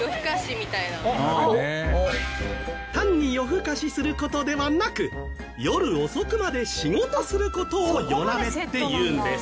単に夜更かしする事ではなく夜遅くまで仕事する事を「夜なべ」っていうんです